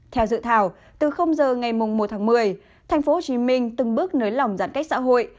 theo dự thảo từ giờ ngày một tháng một mươi tp hcm từng bước nới lỏng giãn cách xã hội